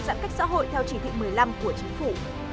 các xã hội theo chỉ thị một mươi năm của chính phủ